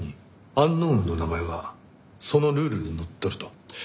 アンノウンの名前はそのルールにのっとると。